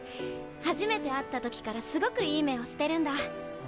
初めて会った時からすごくいい目をしてるんだ。